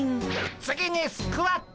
次にスクワット！